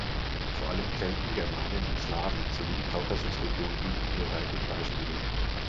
Vor allem Kelten, Germanen und Slawen sowie die Kaukasusregion bieten hier reichlich Beispiele.